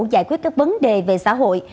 giải quyết các vấn đề về xã hội